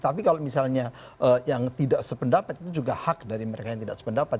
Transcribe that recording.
tapi kalau misalnya yang tidak sependapat itu juga hak dari mereka yang tidak sependapat